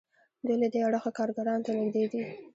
دوی له دې اړخه کارګرانو ته نږدې دي.